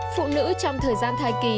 phụ nữ trong thời gian thai kỳ